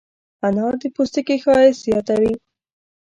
انار د پوستکي ښایست زیاتوي.